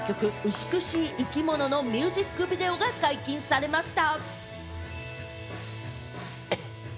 『美しい生き物』のミュージックビデオが解禁されました。